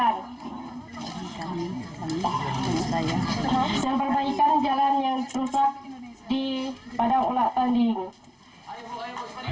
dan perbaikan jalan yang rusak di padang ula tanding